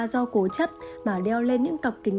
cố chấp mà đeo lên những cặp kính